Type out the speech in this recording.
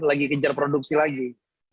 lagi kejar produksi lagi